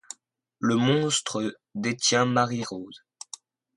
Le monstre détient Marie-Rose.